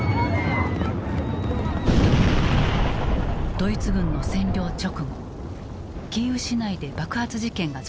ドイツ軍の占領直後キーウ市内で爆発事件が続発。